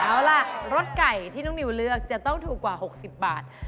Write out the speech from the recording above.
เอาล่ะรสไก่ที่น้องนิวเลือกจะต้องถูกกว่า๖๐บาท